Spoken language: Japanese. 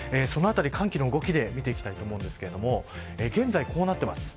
そのあたり、寒気の動きで見ていきたいと思うんですが現在、こうなっています。